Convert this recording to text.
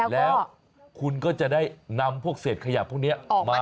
แล้วคุณก็จะได้นำพวกเศษขยะพวกนี้มา